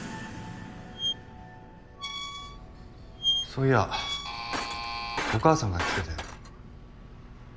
そういやお母さんが来てたよ。